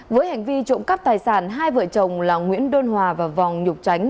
với hành vi trộm cắp tài sản hai vợ chồng là nguyễn đôn hòa và vòng nhục tránh